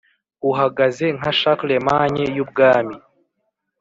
uhagaze, nka charlemagne yubwami,